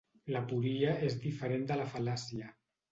L'aporia és diferent de la fal·làcia.